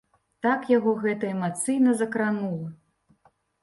Так яго гэта эмацыйна закранула!